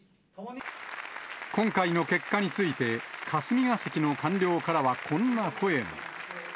今回の結果について、霞が関の官僚からはこんな声も。